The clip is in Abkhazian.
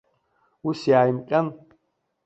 Ус, иааимҟьан.